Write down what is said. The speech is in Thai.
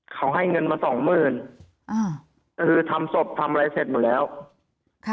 เขาให้เงินมาสองหมื่นอ่าก็คือทำศพทำอะไรเสร็จหมดแล้วค่ะ